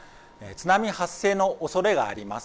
津波発生のおそれがあります。